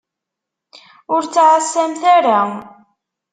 Ur ttɛasamt ara.